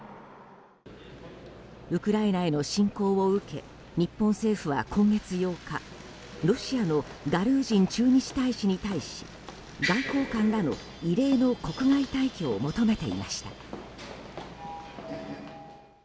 ウクライナへの侵攻を受け日本政府は今月８日ロシアのガルージン駐日大使に対し外交官らの異例の国外退去を求めていました。